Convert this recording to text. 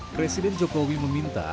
presiden jokowi meminta